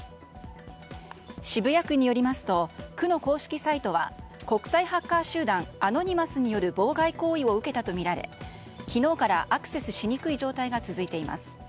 渋谷区によりますと区の公式サイトは国際ハッカー集団アノニマスによる妨害行為を受けたとみられ昨日からアクセスしにくい状態が続いています。